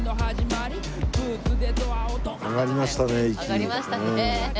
上がりましたね。